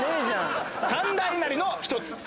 三大稲荷の１つ。